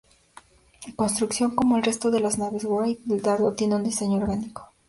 Construcción: Como el resto de las naves Wraith, el dardo tiene un diseño orgánico.